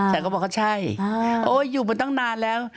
ก็บอกว่าใช่โอ๊ยอยู่มาตั้งนานแล้ว